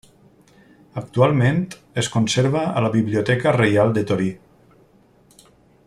Actualment, es conserva a la biblioteca Reial de Torí.